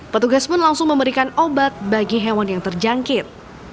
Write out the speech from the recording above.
petugas pun langsung memberikan obat bagi hewan yang terjangkit